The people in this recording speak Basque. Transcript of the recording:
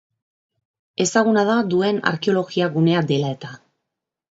Ezaguna da duen arkeologia gunea dela-eta.